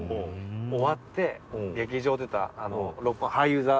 終わって劇場出た俳優座？